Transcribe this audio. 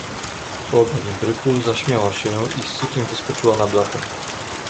Woda w imbryku zaśmiała się i z sykiem wyskoczyła na blachę.